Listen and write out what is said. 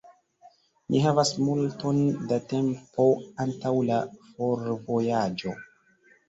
Ni havas multon da tempo antaŭ la forvojaĝo.